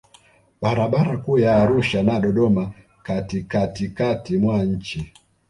Barabara kuu ya Arusha na Dodoma katikatikati mwa nchi